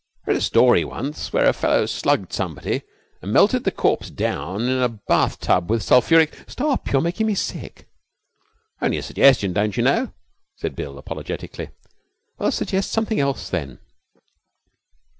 'I read a story once where a fellow slugged somebody and melted the corpse down in a bath tub with sulphuric ' 'Stop! You're making me sick!' 'Only a suggestion, don't you know,' said Bill apologetically. 'Well, suggest something else, then.'